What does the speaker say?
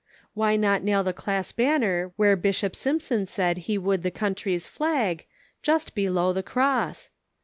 ' Why not nail the class banner where Bishop Simpson said he would the country's flag, 'just below the cross